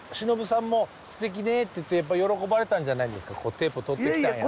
テープとってきたんや。